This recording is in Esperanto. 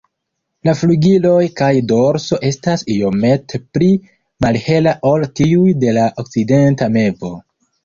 La flugiloj kaj dorso estas iomete pli malhela ol tiuj de la Okcidenta mevo.